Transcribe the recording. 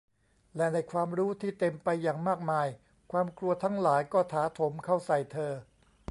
และในความรู้ที่เต็มไปอย่างมากมาย ความกลัวทั้งหลายก็ถาโถมเข้าใส่เธอ